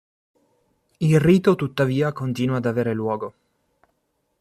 Il rito tuttavia continua ad avere luogo.